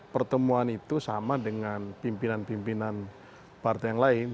pertemuan itu sama dengan pimpinan pimpinan partai yang lain